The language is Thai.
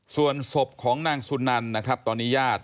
ส่วนศพของนางสุนันตอนนี้ยาศ